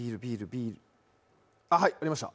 ビール、はい、ありました。